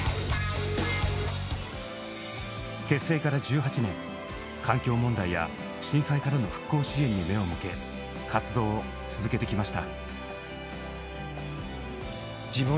結成から１８年環境問題や震災からの復興支援に目を向け活動を続けてきました。